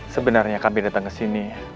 sebenarnya kami datang ke sini